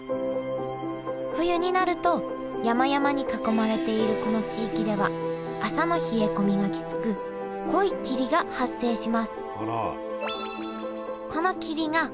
冬になると山々に囲まれているこの地域では朝の冷え込みがきつく濃い霧が発生します